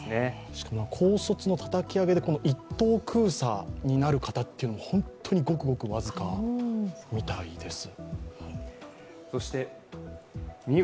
しかも高卒のたたき上げで、一等空佐になる方はごくごく僅かみたいです。